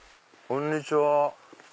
こんにちは。